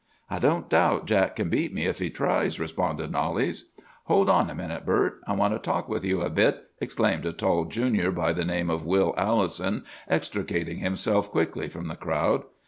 "'I don't doubt Jack can beat me if he tries!' responded Knollys. "'Hold on a minute, Bert; I want to talk to you a bit!' exclaimed a tall Junior by the name of Will Allison, extricating himself quickly from the crowd.